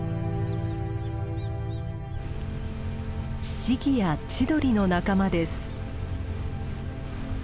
シギやチドリの仲間です。